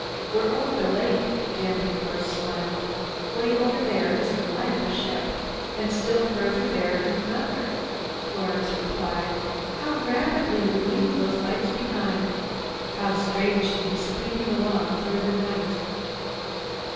"We're over the lake," Danby Force smiled. "Way over there is the light of a ship." "And still farther there is another," Florence replied. "How rapidly we leave those lights behind! How strange to be speeding along through the night."